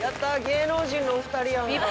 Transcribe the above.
芸能人のお二人やんか。